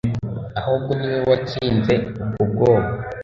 ahubwo niwe watsinze ubwo bwoba